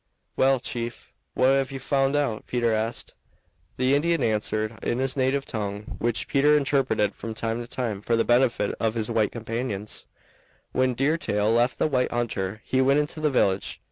"Well, chief, what have you found out?" Peter asked. The Indian answered in his native tongue, which Peter interpreted from time to time for the benefit of his white companions: "When Deer Tail left the white hunter he went into the village.